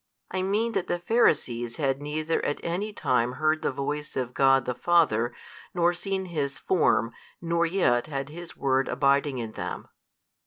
I mean that the Pharisees had neither at any time heard the Voice of God the Father nor seen His Form nor yet had His Word abiding in them.